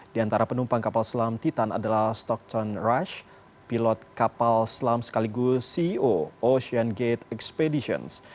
di antara penumpang kapal selam titan adalah stockton rush pilot kapal selam sekaligus ceo ocean gate expeditions